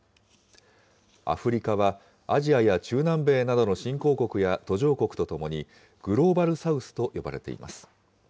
アフリカは、アジアや中南米などの新興国や途上国と共に、グローバル・サウスと呼ばれています。